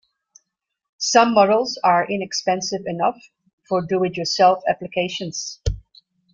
Some models are inexpensive enough for do-it-yourself applications.